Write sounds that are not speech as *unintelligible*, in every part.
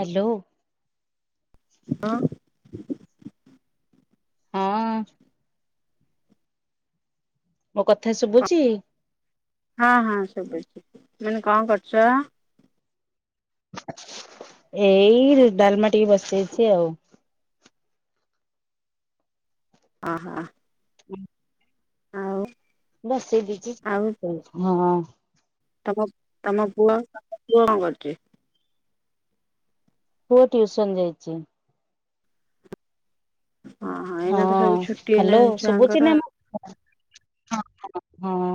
Hello. ହଁ *inaudible* ହଁ। ମୋ କଥା ଶୁଭୁଚି? ହଁ ହଁ ଶୁଭୁଚି। ମାନେ କଣ କରୁଚ? ଏଇ ଡାଲମା ଟିକେ ବସେଇଚି ଆଉ। ଅହ। *inaudible* ବେସେଇ ଦେଇଚି ଆଉ *unintelligible* ହଁ। ତମ, ତମ ପୁଅ *unintelligible* ପୁଅ କଣ କରୁଚି? ପୁଅ ଟ୍ୟୁସନ ଯାଇଚି। ହଁ ଏଇନା ତ ସବୁ ଛୁଟି ଏଇନା ହାଲୋ ଛୁଆଙ୍କର ଶୁବୁଚିନା ମୋ *unintelligible* ହଁ ହଁ। ହଁ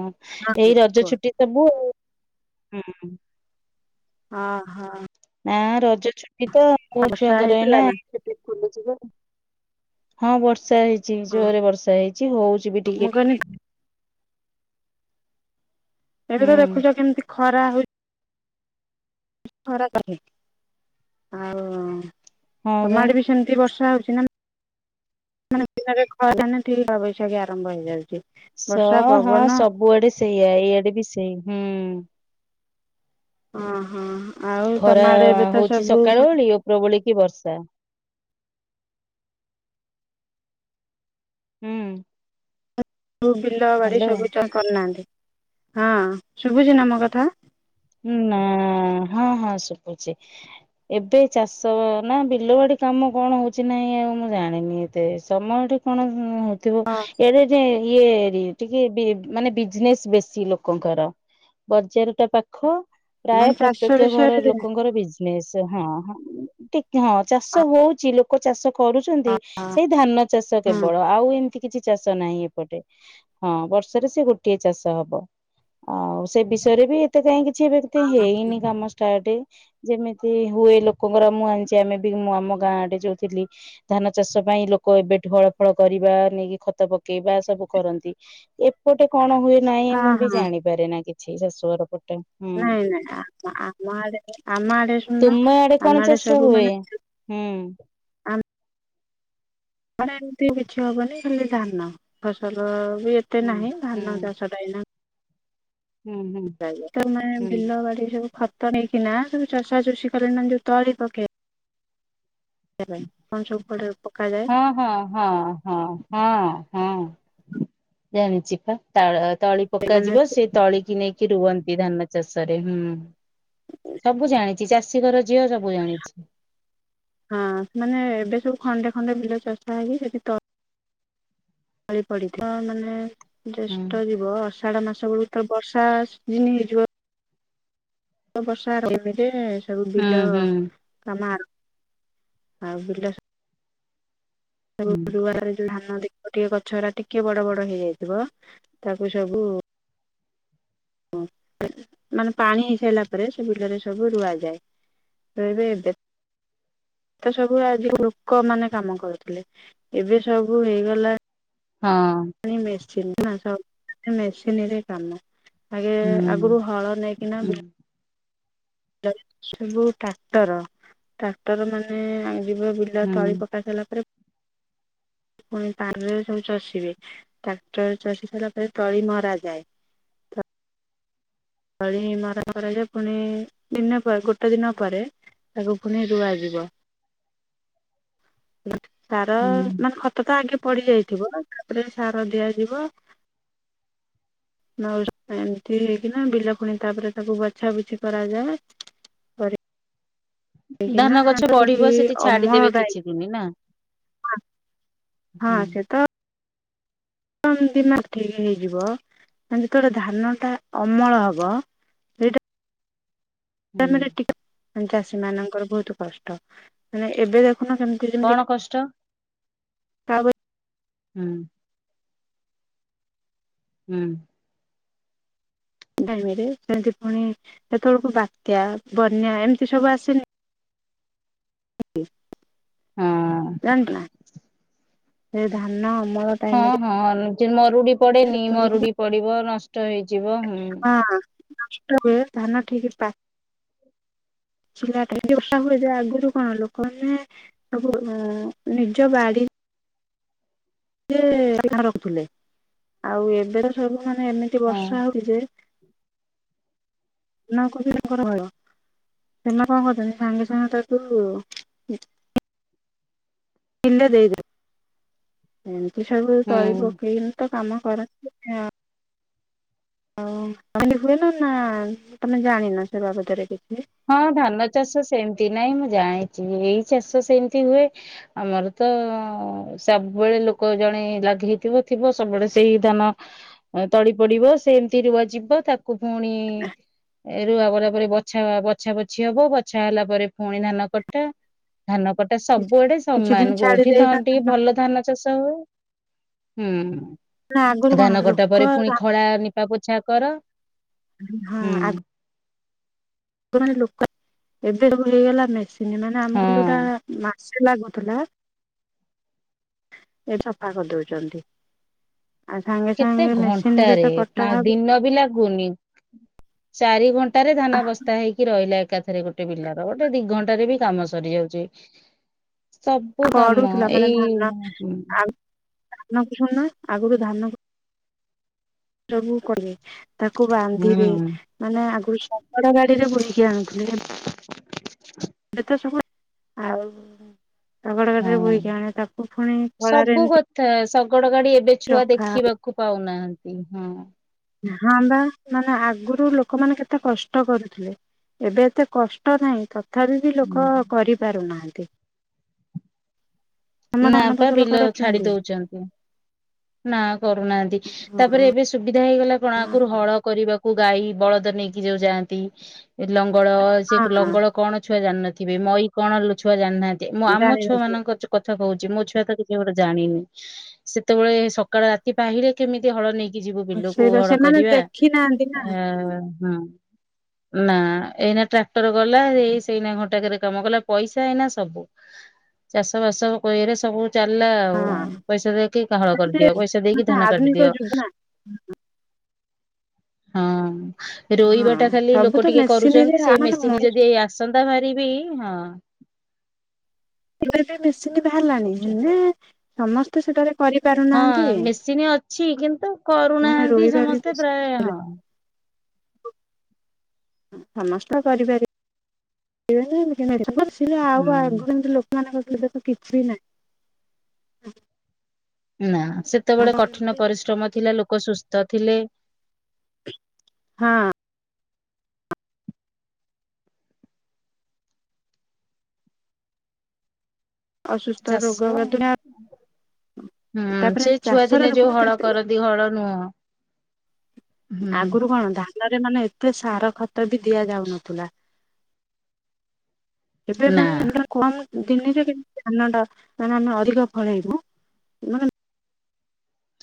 ଏଇ ବୁଝି ରଜ କୁହ ଛୁଟି ସବୁ ଆଉ ହୁଁ। ହଁ ହଁ। ଆଁ ରଜ ଛୁଟି ତ କୋଉ ବର୍ଷା ଛୁଆଙ୍କର ହେଇଥିଲା ଏଇନା ନା? ହଁ ବର୍ଷ ବର୍ଷା ହେଇଛି ହଁ ଜୋରେ ବର୍ଷା ହେଇଛି ହଉଛି ବି ମୁଁ ଟିକେ କହିଲି ଟିକେ। ଏବେ ହୁଁ ତ ଦେଖୁଛ କେମିତି ଖରା ହଉଛି ଖରା କରିନେଇ ଆଉ ହଁ ତମ ବା ଆଡେ ବି ସେମିତି ବର୍ଷ ଖରା ହୋଉଚିନା *unintelligible* ବୈଶାଖୀ ଆରମ୍ଭ ହେଇଯାଉଛି। *inaudible* ସ ବର୍ଷା ହ ପବନ ସବୁଆଡେ ସେଇଆ ଏଇଆଡେ ବି ସେଇ ହୁଁ। ଓ ହୋ ଆଉ ଖରା ତମଆଡେ ଏବେ ତ ହଉଛି ସବୁ ସକାଳ ଓଳି ଉପରବୋଳି କି ବର୍ଷା। ହୁଁ। ସବୁ ବିଲ ବାଡି ସବୁ କରିନାହାନ୍ତି ହଁ ଶୁଭୁଚି ନା ମୋ କଥା? ଉଁ ନା ହଁ। ହଁ ଶୁଭୁଚି ଏବେ ଚାଷ ବା ନା ବିଲ ବାଡି କାମ କଣ ହୋଉଚି ନାହିଁ ଆଉ ମୁଁ ଜାଣି ଜାଣିନି ଏତେ ସମୟଠି କଣ ହୋଉଥିବ ଏଡେ ନେ ଇଏ ହେ ଟିକେ ବି ମାନେ ବିଜନେସ ବେଶୀ ଲୋକଙ୍କର ବଜାର ଟା ପାଖ ପ୍ରାୟ ମାନେ ଚାଷ ପ୍ରତ୍ୟକ ଘର ବିଷୟରେ ହଁ ଲୋକଙ୍କର ବିଜନେସ ହଁ ଉଁ ଟି ହଁ ଚାଷ ହୋଉଚି ଲୋକ ଚାଷ କରୁଚନ୍ତି ସେଇ ଧାନ ଚାଷ କେବଳ ହଁ ଆଉ ଏମିତି କିଛି ଚାଷ ଷ ନାହିଁ ଏପଟେ ହଁ ବର୍ଷରେ ସେ ଗୋଟିଏ ଚାଷ ହବ। ଆଉ ସେ ବିଷୟରେ ବି ଏତେ କାଇଁ କିଛି କିନ୍ତୁ ହେଇନି କାମ ଷ୍ଟାର୍ଟ ଯେମିତି ଏମିତି ହୁଏ ଲୋକଙ୍କର ମୁଁ ଜାଣିଛି ଆମେ ବି ମୁଁ ଆମ ଗାଁ ଆଡେ ଯଉ ଥିଲି ଧାନ ଚାଷ ପାଇଁ ଲୋକ ଏବେ ଠୁ ହଳ ଫଳ କରିବା ନେଇକି ଖତ ପକେଇବା ସବୁ କରନ୍ତି ଏପଟେ କଣ ହୁଏ ନାଇଁ ମୁଁ ବି ହଁ ଜାଣିପାରେନା କିଛି ଶାଶୁଘର ପ ନାଇଁ ନାଇଁ ଆ-ଆ-ଆମ ଆଡେ ଆମ ଆଡେ ଶୁଣୁନ ତୁମ କଣ ଆମ ଆଡେ ଚାଷ ସବୁ ହୁଏ? ମାନେ। ହୁଁ। ମାନେ ଏମିତି କିଛି ହବନି ଖାଲି ଧାନ ଫସଲ। ବି ଏତେ ହୁଁ ନାହିଁ ହୁଁ ଧାନ ଚାଷଟା ଏଇନା। ହୁଁ ହୁଁ ରହିବ ତମେ ହୁଁ ବିଲ ବାଡି ଯୋଉ ଖ ଖତ ନେଇକି ନା ସବୁ ଚଷା ଚୁସି କର ନା ଯୋଉ ତଳି ପକେଇ *unintelligible* ଉପରେ ପ ହଁ ହଁ ହଁ ହଁ ହଁ। ହଁ ଜାଣିଛିି ପା ତାଳ ତଳି ମାନେ ପକାଯିବ ସେ ତଳି କିି ନେଇ ରୁଅନ୍ତି ଧାନ ଚାଷ ରେ ହୁଁ। ସବୁ ଜାଣିଛି ଚାଷୀ ଘର ଝିଅ ସବୁ ଜାଣିଛି। ହଁ ମାନେ ଏବେ ସବୁ ଖଣ୍ଡେ ଖଣ୍ଡେ ବିଲ ଚଷା ହେଇକି ସେଠି ତ ତଳି ପଡିଥାଏ ହଁ ମାନେ। ହୁଁ ଜ୍ୟେଷ୍ଠ ଯିବ ଅଷାଢ ମାସ ବେଳକୁ ତ ବର୍ଷା ସିଯିନ ହେଇଯିବ। ବର୍ଷା ଆରମ୍ଭ ହେଲେ ସବୁ ହୁଁ ବିଲ ହୁଁ। କାମ ଆ ଆଉ ବିଲ ଗୁରୁବାରରେ ଯୋଉ ଧା ନ ଦେଖ ଗୋଟିଏ ଗଛ ହେରା ଟିକେ ବଡ ବଡ ହେଇଯାଇଥିବ ତାକୁ ସବୁ। ଉ। ମାନେ ପାଣି ହେଇସାରିଲା ପରେ ସେଗୁଡିକରେ ସବୁ ରୁଆଯାଏ ତେବେ ଏବେ ଏତେ ସବୁ ଆଜି ଲୋକ ମାନେ କାମ କରୁଥିଲେ ଏବେ ସବୁ ହେଇଗଲା। ହଁ ମେସିନ ନା ସବୁ ମେସିନି ରେ କାମ। ଆଗେ ହୁଁ ଆଗରୁ ହଳ ନେଇକିନା ହୁଁ ବି ଲରେ ସବୁ ଟ୍ରାକ୍ଟର ଟ୍ରାକ୍ଟର ମାନେ ବିବ ବିଲ ହୁଁ ତଳି ପକା ସାରିଲା ପରେ। ପୁଣି ପାଣିରେ ସବୁ ଚଷିବେ ଟ୍ରାକ୍ଟର ଚଷି ସାରିଲା ପରେ ତଳି ମରା ଯାଏ। ଥ ତଳି ମରା *inaudible* ପୁଣି ଦିନ ପରେ ଗୋଟେ ଦିନ ପରେ। ତାକୁ ପୁଣି ରୁଆଯିବ। ତାର ହୁଁ ମାନେ ଖତ ତ ଆଗେ ପଡି ଯାଇଥିବ ତାପରେ ସାର ଦିଆଯିବ। ନହେଲେ ଏମିତି ହେଇକିନା ବିଲ ଫୁଣି ତାପରେ ତାକୁ ବଛାବୁଛି କରାଯାଏ। ପରେ କି ଧାନ ନା ଗଛ ତ ବଢିବ ଠିକି ସେଠି ଛାଡିଦେବେ ଅମଳ କିଛି ଦିନି ନା ଟାଇମ ନାଁ। ହୁଁ ହଁ ସେ ତ। ଦିନ ରେ ଠିକ ହେଇଯିବ ଏ ଯେତେବେଳେ ଧାନ ଟା ଅମଳ ହବ। ସେଇଟା ହୁଁ ମାନେ ଟିକେ ଉଁ ଚାଷୀ ମାନଙ୍କର ବହୁତୁ କଷ୍ଟ ମାନେ ଏବେ ଦେ ଦେଖୁନ ଯେମିତି କଣ ଯେମିତି କା କଷ୍ଟ ତା ବୋ ହୁଁ। ହୁଁ। ଟାଇମରେ ସେମିତି ପୁଣି ସେତେବେଳକୁ ବାତ୍ୟା ବନ୍ୟା ଏମିତି ସବୁ ଆସେନି। ଉ ହଁ। ଜାଣିଚୁ ନା ସେ ଧାନ ଅମଳ ହଁ ଟାଇମରେ ହଁ ଅନ ଚି ନ ମ ରୁଡି ପଡେନି ସେତେବେଳକୁ ମରୁଡି ପଡିବ ନଷ୍ଟ ହେଇଯିବ ହୁଁ। ହଁ ନଷ୍ଟ ହୁଏ ଧାନ ଠିକି ପା। ଚିଲା ଟାଇମ ରେ ବର୍ଷା ହୁଏ ଯେ ଆଗରୁ କଣ ଲୋକମାନେ ସବୁ ଉଁ ନିଜ ବାଡି। ସେ ଧାନ ରଖୁଥିଲେ ଆଉ ଏବେ ତ ସବୁ ମାନେ ଏମିତି ହଁ ବର୍ଷା ହଉଚି ନଁ କୁ ବି ତାଙ୍କର ଭୟ ସେମାନେ କଣ କରିଚ ନ୍ତି ସାଙ୍ଗେ ସାଙ୍ଗେ ତାକୁ କିଣିଲେ ଦେଇଦବୁ ଏମିତି ସବୁ କରି ହୁଁ ପକେଇଲି ତ କାମ ପଣସ ଖିଆ ଓ କହିଲି ହୁଏନା ନାଁ ତମେ ଜାଣିନ ସେ ବାବଦରେ କିଛି ହଁ ଧାନ ଚାଷ ସେମତି ନାଇଁ ମୁଁ ଜାଣିଚି ଏଇ ଚାଷ ସେମିତି ହୁଏ ଆମର ତ ସବୁବେଳେ ଲୋକ ଜ ଜଣେ ଲଗେଇଥିବ ଥିବ ସବୁବେଳେ ସେଇ ଧାନ ତଳି ପଡିବ ସେମତି ରୁଆ ଯିବ ତାକୁ ପୁଣି ରୁଆ ବରା ପରେ ବଛା ବ ଛା ବଛି ହବ ବଛା ହେଲା ପରେ ପୁଣି ଧାନ କଟା। ଧାନ କଟା ସବୁଆଡେ କିଛି ଦିନ ସମାନ ଛାଡି କୋଉଠି ଧ ଦେଇକା ଟିକେ ନା ଭଲ ଧାନ ଚାଷ ହୁଏ। ଆଗରୁ ହୁଁ କଣ ଧାନ କଟା ଲୋକ ପରେ ପୁଣି ଖଳା ନିପା ପୋଛା କର। ହଁ ହୁଁ ଆ ଆଗମାନେ ଲୋକ ଏବେ ସବୁ ହେଇଗଲା ମେସିନ ନହଲେ ଆମ ବୋଉ ହରିକା ହଁ। ମାଟି ସେ ଲାଗୁଥିଲା ଏଇଠି ସଫା କରିଦଉଚନ୍ତି। କେତେ ଘଣ୍ଟାରେ ହବ ଦିନ ବି ଲାଗୁନି ଚାରି ଘଣ୍ଟାରେ ଧାନ ବସ୍ତା ହେଇକି ରହିଲା ଏକାଥ ରେ ଗୋଟେ ପିଲାର ଗୋଟେ ଦି ଘଣ୍ଟାରେ ବି କାମ ସରିଯାଉଚି। ସବୁ କାମ ପଡୁଥିଲା ମାନେ ଏଇ ଧାନ କୁ ଶୁଣିଲୁଣି ଆଗରୁ ଧାନ କୁ ସବୁ କଲେ ତାକୁ ବାନ୍ଧିବେ ହୁଁ ମାନେ ଆଗରୁ ଶଗଡ ଗାଡିରେ ବୋହିକି ଆଣୁଥିଲେ? ଏବେ ତ ସବୁ ଆଉ ଶଗଡ ହଁ ଗାଡିରେ ବୋହିକି ଆଣେ ତାକୁ ପୁଣି ଖଳାରେ ସବୁ ଏମିତି କଥା ଶଗଡ ଗାଡି ଏବେ ଛୁଆ ରଖା ଦେଖିବାକୁ ପାଉନାହାନ୍ତି ହଁ ହଁ ବା ନହେଲେ ଆଗରୁ ଲୋକମାନେ କେତେ କଷ୍ଟ କରୁଥିଲେ। ଏବେ ଏତେ କଷ୍ଟ ନାହିଁ ତଥାପି ବି ଲୋକ କରିପାରୁନାହାନ୍ତି। ଆମ ନାଁ ଧାନ ପା ଫସଲ ବିଲ ଛାଡି କରୁଛନ୍ତି। ଦଉଛନ୍ତି। ନାଁ କରୁନାହାନ୍ତି ତାପରେ ହଁ ଏବେ ସୁବିଧା ହେଇଗଲା କଣାକରୁ ହଳ କରିବାକୁ ଗାଈ ବଳଦ ନେଇକି ଯୋଉ ଯାଆନ୍ତି। ଲଙ୍ଗଳ ସେ ହଁ ଲଙ୍ଗଳ କଣ ଛୁଆ ଜାଣିନଥିବେ ମଈ କଣ ଛୁଆ ଜାଣିନାହା ମୁଁ ଆମ ଛୁଆ ଜାଣିନଥିଲେ ମାନଙ୍କ କତୁ କହୁଛି ମୋ ଛୁଆ ତ କିଛି ଗୋଟେ ଜାଣିନି ସେତେବେଳେ ସକାଳ ରାତି ପାହିଲେ କେମିତି ହଳ ନେଇକି କି ଯିବୁ ବିଲକୁ ସେଇବା ହଡ ସେମାନେ କରିବା ଆ ହୁଁ। ହ ନା ଏଇନା ଟ୍ରାକ୍ଟର ଗଲା ଏଇ ସେଇନା ଘଣ୍ଟାକରେ କାମ କଲା ପଇସା ଏଇନା ସବୁ। ଚାଷ ବାସ କଇବାରେ ସବୁ ଚାଲିଲା ଆଉ ପଇସା ଦେଇକି କା ହଳ ତାପରେ କରିଦିଅ ପଇସା ଦେଇକି ମାନେ ଧାନ ଆଧୁନିକ କାଟିଦିଅ। ଯୁଗ ନା *unintelligible* ହଁ। ହଁ ରୋଇବା ଟା ଖାଲି ସବୁ ଲୋକ ତ ଟିକେ ମେସିନରେ କରୁଛନ୍ତି ସେ ମାନେ ମେସିନ୍ ମଣିଷ ଯଦି ଏ ଆସନ୍ତା ବାହାରିବି ହଁ। ଏବେ ବି ମେସିନ୍ ବାହାରିଲାଣି କରୁଛନ୍ତି। ହେ ସମସ୍ତେ ସେଠାରେ କରିପାରୁନାହାନ୍ତି। ହଁ ମେସିନ୍ ଅଛି କିନ୍ତୁ ମାନେ କରୁନାହାନ୍ତି ରୋଇବା ବି ବେଶୀ ସମସ୍ତେ ପ୍ରାୟ ହଁ। ସମସ୍ତ କରିପାରିବେ *inaudible* ହୁଁ ଆଉ ଆଗର ଲୋକମାନଙ୍କ ଦେଖ କିଛି ବି ନାହିଁ *inaudible* ନା ସେତେବେଳେ କଠିନ ପରିଶ୍ରମ ଥିଲା ଲୋକ ସୁସ୍ଥ ଥିଲେ। ହଁ। ଅସୁସ୍ଥ ରୋଗ ଚାଷ। ହୁଁ ତାପରେ ସେ ଛୁଆ ଚାଷରେ ଦିନେ ଦେଖୁନ ଯୋଉ ହଳ କେମିତି କରନ୍ତି ହଳ ନୁହଁ। ହୁଁ ଆଗରୁ କଣ ଧାନରେ ମାନେ ଏତେ ସାର ଖତ ବି ଦିଆ ଯାଉନଥିଲା। ଏବେ ନା ମାନେ *unintelligible* ଦିନରେ କେତେ ଧାନ ମାନେ ଆମେ ଅଧିକ ଫଳେଇବୁ ମାନେ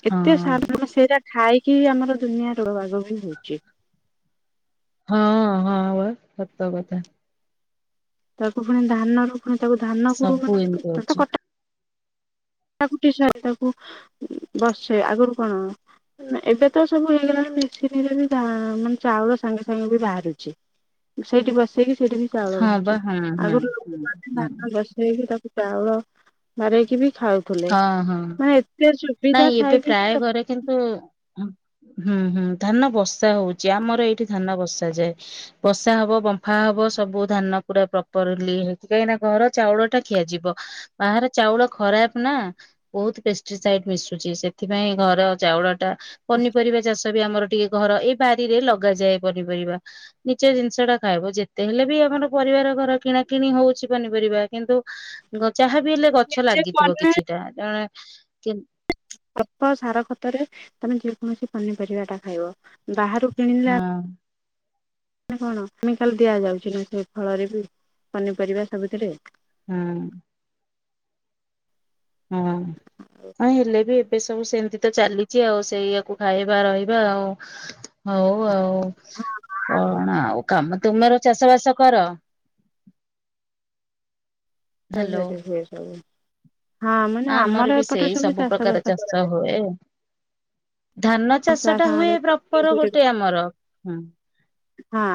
ହଁ ଏତେ ସାଧାରଣ ସେଟା ଖାଇକି ଆମର ଦୁନିଆ ରୋଗ ବାଗ ବି ହଉଛି। ହଁ ହଁ ସତ କଥା। ତାକୁ ପୁଣି ଧାନରୁ ପୁଣି ତାକୁ ଧାନ କୁ ସବୁ ମାନେ ଏମିତି ହଉଛି କଟା ତାକୁ *unintelligible* ତାକୁ ବର୍ଷେ ଆଗରୁ କଣ ଏବେ ତ ସବୁ ହେଇଗଲାଣି। *unintelligible* ମାନେ ଚାଉଳ ସାଙ୍ଗେ ସାଙ୍ଗେ ବି ବାହାରୁଛି ସେଇଠି ବ ସେଇଟି ସେଇଠି ବି ଚାଉଳ ହଁ ବା ବାହାରୁଚି ହଁ ହଁ ଆଗରୁ ଲୋକ ମାନେ ହଁ ଧାନ ବସେଇକି ତାକୁ ଚାଉଳ ବାହାରିକି ବି ଖାଉଥିଲେ ହଁ ହଁ। ମାନେ ଏତେ ସୁବିଧା ନାଇଁ ଏବେ ଥାଇକି ବି ପ୍ରାୟ ଲୋକ ଘରେ କିନ୍ତୁ ହୁଁ ହୁଁ ଧାନ ବସା ହଉଚି ଆମର ଏଇଠି ଧାନ ବସା ଯାଏ ବସା ହେବ ବମ୍ଫା ହବ ସବୁ ଧାନ ପୁରା‌ ପପର୍ଲି ହେବ କାହିଁକିନା ଘର ଚାଉଳ ଟା ଖିଆଯିବ ବାହାର ଚାଉଳ ଖରାପ ନା ବହୁତ୍ ସାଇଟ୍ ମିଶୁଛି ସେଥିପାଇଁ ଘର ଚାଉଳ ଟା ପନିପରିବା ଚାଷ ବି ଆମର ଟିକେ ଘର ଏ ବାରିରେ ଲଗାଯାଏ ପନିପରିବା ନିଜ ଜିନିଷ ଟା ଖାଇବ ଯେତେ ହେଲେ ବି ଆମର ପରିବାର ଘର କିଣା କିଣି ହଉଛି ପନିପରିବା କିନ୍ତୁ ଯାହା ବି ହେଲେ ଗଛ ନିଜେ ଲାଗିଥିବ ବନା କିଛିଟା ଜଣେ କେ ଅଳ୍ପ ସାର ଖତରେ ତମେ ଯେ କୌଣସି ପନିପରିବାଟା ଖାଇବ। ବାହାରୁ କିଣିଲେ ହଁ। କଣ ଆମେ କେମିକାଲ ଦିଆଯାଉଛୁ ସେ ଫଳରେ ବି ପନିପରିବା ସବୁଥିରେ ହୁଁ। ହୁଁ ହଁ ହେଲେ ବି ଏବେ ସବୁ ସେମିତି ତ ଚାଲିଛି ଆଉ ସେଇୟାକୁ ଖାଇବା ରହିବା ଆଉ ହଉ ଆଉ। ହଁ କଣ ଆଉ କାମ ତୁମର ଚାଷ ବାସ କର? ହଁ ହ୍ୟାଲୋ ସେଠି ସିଏ ସବୁ ହଁ ମାନେ ଆମର ବି ଏପଟେ ସେଇ ସବୁ ଚାଷ ପ୍ରକାର ବାସ କରଯାଏ। ହୁଏ ଧାନ ଚାଷ ଟା ହୁଏ ପ୍ରପର ପନିପରିବା ଗୋଟେ ଆମର ହୁଁ।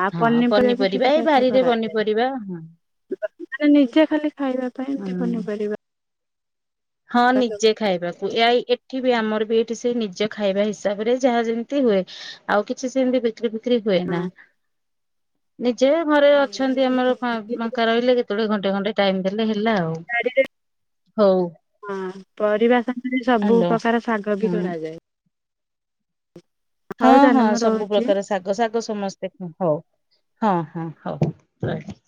ଆଉ ହଁ ବି ସବୁ ପନିପରିବା ଏଇ ଚାଷ ବାରିରେ କରାଯାଏ ପନିପରିବା ହଁ। ମାନେ ନିଜେ ଖାଲି ଖାଇବା ପାଇଁ ଏମତି ହୁଁ ପନିପରିବା। ହଁ ସବୁ ନିଜେ ଖାଇବାକୁ ଏଇ ଏଠି ବି ଆମର ବି ଏଇଠି ସେଇ ନିଜ ଖାଇବା ହିସାବରେ ଯାହା ଯେମିତି ହୁଏ ଆଉ କିଛି ସେମିତି ବିକ୍ରି ବିକ୍ରି ହୁଏନା ନି ଯେ ଘରେ ନାଇଁ ଅଛନ୍ତି ଆମର ମାନେ ଫାଙ୍କା ରହିଲେ କେତେବେଳେ ଘଣ୍ଟେ ଘଣ୍ଟେ ଟାଇମ୍ ଦେଲେ ହେ ହେଲା ଆଉ ବାଡିରେ ହଉ। ହଁ ପରିବା ସାଙ୍ଗରେ ସବୁ ହ୍ୟାଲୋ ପ୍ରକାର ଶାଗ ବି ହୁଁ କରାଯାଏ। ହଁ ହଉ ହଁ ତାହେଲେ ମୁଁ ସବୁ ରହୁଛି। ପ୍ରକାର ଶାଗ ଶାଗ ସମସ୍ତେ ହଉ। ହଁ ହଁ ହଉ ହଉ ରହିଲି।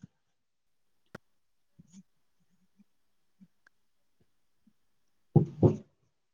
*inaudible* *inaudible*